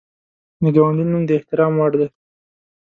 د ګاونډي نوم د احترام وړ دی